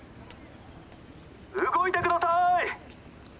動いてくださーい！